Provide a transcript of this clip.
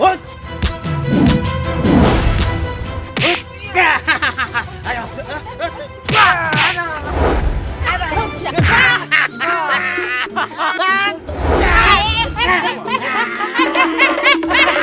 dua orang yg selalu menjadi perang